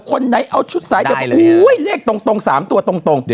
คนไหนเอาชุดซ้ายเดี่ยวแล้วโหเว้ยเลขตรงตรงสามตัวตรง